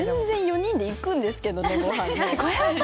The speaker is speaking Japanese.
全然４人で行くんですけどねご飯。